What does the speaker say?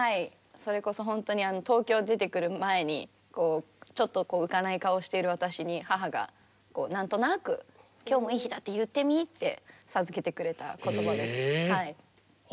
それこそほんとにあの東京出てくる前にちょっと浮かない顔している私に母が何となく「『今日もいい日だ』って言ってみ」って授けてくれた言葉です。